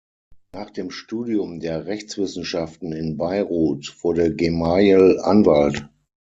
Nach dem Studium der Rechtswissenschaften in Beirut wurde Gemayel Anwalt.